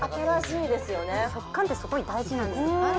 食感ってすごい大事なんです。